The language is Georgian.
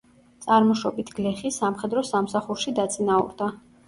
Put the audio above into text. წარმოშობით გლეხი, სამხედრო სამსახურში დაწინაურდა.